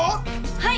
はい！